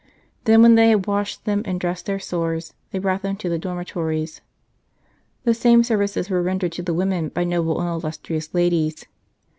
Then when they had washed them and dressed their sores they brought them to the dormitories The same services were rendered to the women by noble and illustrious ladies.